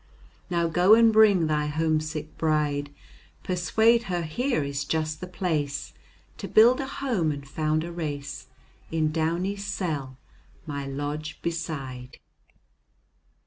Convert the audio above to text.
Now go and bring thy homesick bride, Persuade her here is just the place To build a home and found a race In Downy's cell, my lodge beside.